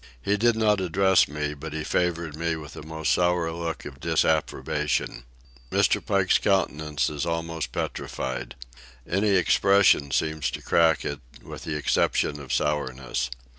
He did not address me, but he favoured me with a most sour look of disapprobation. Mr. Pike's countenance is almost petrified. Any expression seems to crack it—with the exception of sourness.